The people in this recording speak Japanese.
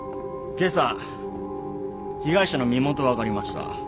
今朝被害者の身元が分かりました。